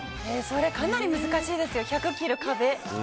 それ、かなり難しいですよ、１００切る壁。